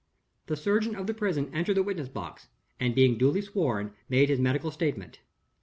The surgeon of the prison entered the witness box, and, being duly sworn, made his medical statement.